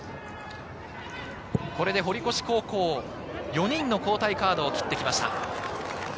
これで堀越高校、４人の交代カードを切ってきました。